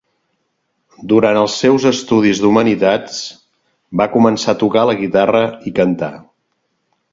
Durant els seus estudis d'humanitats va començar a tocar la guitarra i cantar.